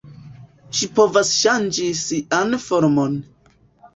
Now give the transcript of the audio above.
Ŝi povas ŝanĝi sian formon.